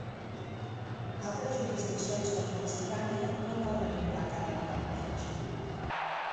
Altres jurisdiccions com Pennsilvània no cobren un recàrrec per guanys.